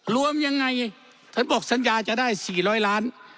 รวมยังไงท่านบอกสัญญาจะได้๔๐๐ล้าน